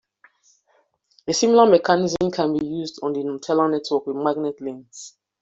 A similar mechanism can be use on the Gnutella network with magnet links.